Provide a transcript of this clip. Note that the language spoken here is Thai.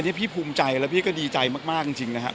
ใช่อันนี้พี่ภูมิใจและพี่ก็ดีใจมากจริงนะครับ